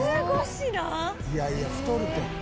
「いやいや太るって」